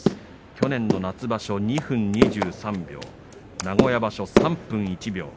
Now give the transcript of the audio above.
去年の夏場所２分２３秒名古屋場所３分１秒。